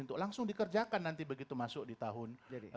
untuk langsung dikerjakan nanti begitu masuk di tahun dua ribu dua puluh